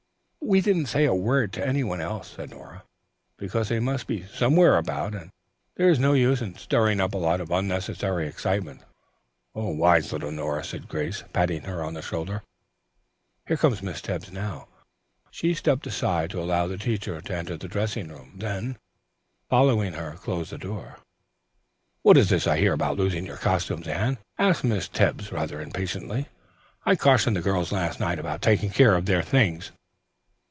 "We didn't say a word to any one else," said Nora, "because they must be somewhere about, and there is no use in stirring up a lot of unnecessary excitement." "Wise little Nora," said Grace, patting her on the shoulder. "Here comes Miss Tebbs now." She stepped courteously aside to allow the teacher to enter the dressing room, then, following her, closed the door. "What is this I hear about losing your costumes, Anne?" asked Miss Tebbs rather impatiently. "I cautioned the girls last night about taking care of their things."